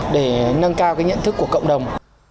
để nâng cao cái nhận thức của cộng đồng